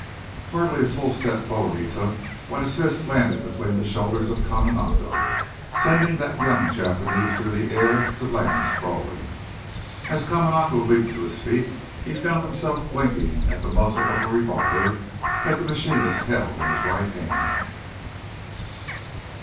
Hardly a full step forward he took when his fist landed between the shoulders of Kamanako, sending that young Japanese through the air, to land sprawling. As Kamanako leaped to his feet he found himself blinking at the muzzle of a revolver that the machinist held in his right hand.